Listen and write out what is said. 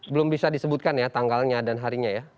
belum bisa disebutkan ya tanggalnya dan harinya ya